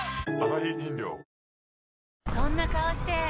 そんな顔して！